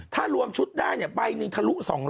ถ้ารวมชุดได้ใบหนึ่งทะลุ๒๐๐